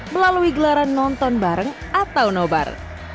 melalui gelaran nonton bareng atau nobar